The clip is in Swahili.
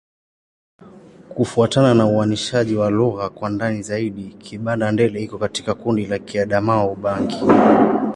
Kufuatana na uainishaji wa lugha kwa ndani zaidi, Kibanda-Ndele iko katika kundi la Kiadamawa-Ubangi.